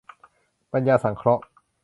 ปัญญาสังเคราะห์